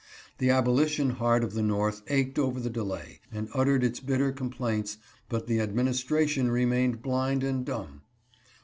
The abolition heart of the North ached over the delay, and uttered its bitter complaints, but the administration remained blind and dumb.